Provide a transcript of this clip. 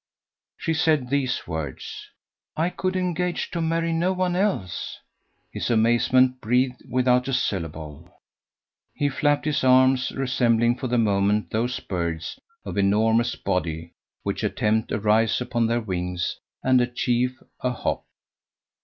She said these words: "I could engage to marry no one else." His amazement breathed without a syllable. He flapped his arms, resembling for the moment those birds of enormous body which attempt a rise upon their wings and achieve a hop.